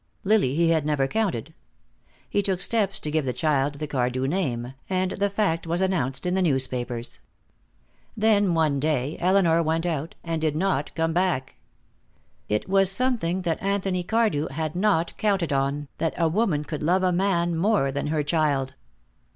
Lily he had never counted. He took steps to give the child the Cardew name, and the fact was announced in the newspapers. Then one day Elinor went out, and did not come back. It was something Anthony Cardew had not counted on, that a woman could love a man more than her child.